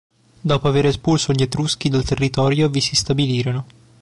Dopo aver espulso gli Etruschi dal territorio vi si stabilirono.